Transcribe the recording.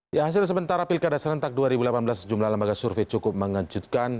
di hasil sementara pilkada serentak dua ribu delapan belas sejumlah lembaga survei cukup mengejutkan